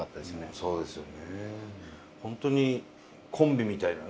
そうですよね。